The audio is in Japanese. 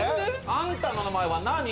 「あんたの名前は何？」